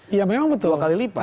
iya memang betul dua kali lipat